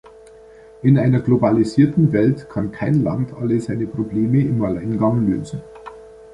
In einer globalisierten Welt kann kein Land alle seine Probleme im Alleingang lösen.